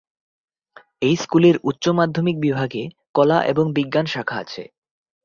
এই স্কুলের উচ্চ মাধ্যমিক বিভাগে কলা এবং বিজ্ঞান শাখা আছে।